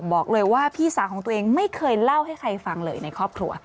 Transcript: บอกเลยว่าพี่สาวของตัวเองไม่เคยเล่าให้ใครฟังเลยในครอบครัว